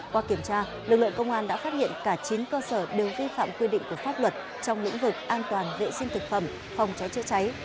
qua kiểm tra lực lượng công an đã phát hiện cả chín cơ sở đều vi phạm quy định của pháp luật trong lĩnh vực an toàn vệ sinh thực phẩm phòng cháy chữa cháy